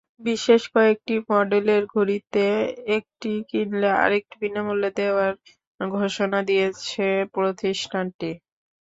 বিশেষ কয়েকটি মডেলের ঘড়িতে একটি কিনলে আরেকটি বিনামূল্যে দেওয়ার ঘোষণা দিয়েছে প্রতিষ্ঠানটি।